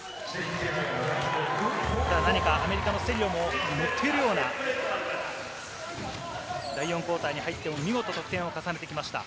アメリカのセリオも第４クオーターに入っても見事得点を重ねてきました。